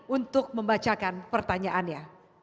untuk membacakan pertanyaannya